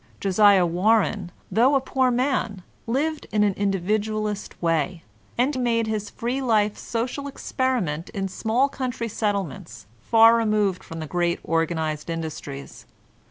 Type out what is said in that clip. Josiah War ren, though a poor man, lived in an Individualist way. and made his free life social experiment in small country settlements, far removed from the great organized in dustries.